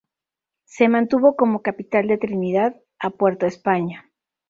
Se mantuvo como capital de Trinidad a Puerto España.